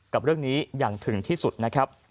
กับเรื่องนี้อย่างถึงที่สุดนะครับ